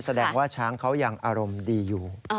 แสดงว่าช้างเขายังอารมณ์ดีอยู่